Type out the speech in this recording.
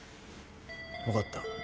分かった。